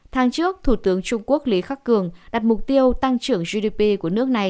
tháng trước thủ tướng trung quốc lý khắc cường đặt mục tiêu tăng trưởng gdp của nước này